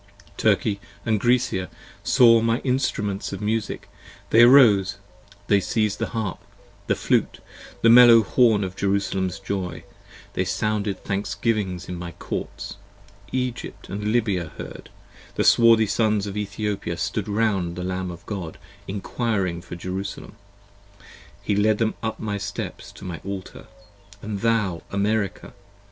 Turkey & Grecia saw my instr[u]ments of music, they arose, They siez'd the harp, the flute, the mellow horn of Jerusalem's joy, 50 They sounded thanksgivings in my courts: Egypt & Lybia heard, The swarthy sons of Ethiopia stood round the Lamb of God Enquiring for Jerusalem: he led them up my steps to my altar. And thou, America!